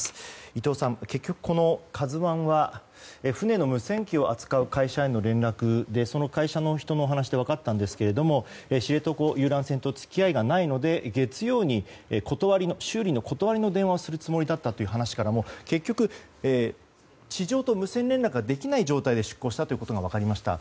伊藤さん、結局「ＫＡＺＵ１」は船の無線機を扱う会社への連絡で、その会社の人のお話で分かったんですが知床遊覧船と付き合いがないので月曜に修理の断りの電話をするつもりだったという話からも結局、地上と無線連絡ができない状態で出航したということが分かりました。